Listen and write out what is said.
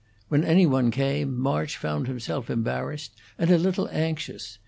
When any one came, March found himself embarrassed and a little anxious.